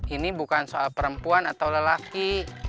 ini bukan soal perempuan atau lelaki